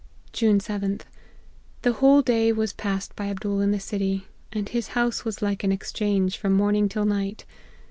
"June 7th. The whole day was passed by Abdool in the city ; and his house was like an ex change, from morning till night.